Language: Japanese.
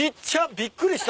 びっくりした。